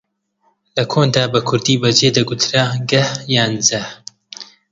لە کۆندا بە کوردی بە جێ دەگوترا گەه یا جەه